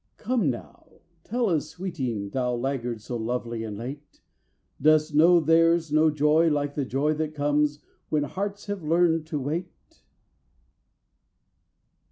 Come now tell us, sweeting, Thou laggard so lovely and late, Dost know there's no joy like the joy that comes When hearts have learned to wait?